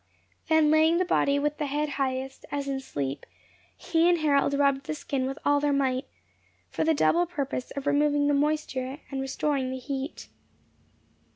Then laying the body with the head highest, as in sleep, he and Harold rubbed the skin with all their might, for the double purpose of removing the moisture and restoring the heat.